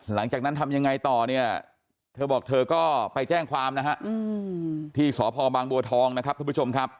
หลังจากนั้นทำยังไงต่อเนี่ยเธอบอกเธอก็ไปแจ้งความนะฮะที่สพบางบัวทองนะครับทุกผู้ชมครับ